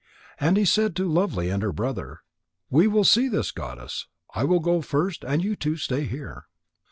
And he said to Lovely and her brother: "We will see this goddess. I will go first and you two stay here."